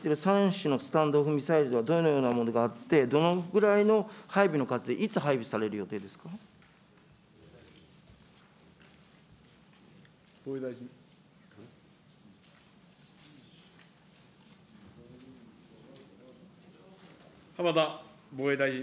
３種のスタンド・オフ・ミサイルではどのようなものがあって、どのぐらいの配備の数で、いつ配備される防衛大臣。